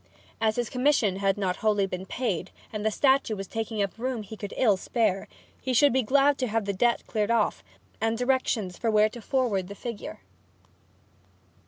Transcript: As his commission had not wholly been paid, and the statue was taking up room he could ill spare, he should be glad to have the debt cleared off, and directions where to forward the figure.